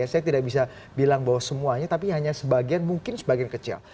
saya tidak bisa bilang bahwa semuanya tapi hanya sebagian mungkin sebagian kecil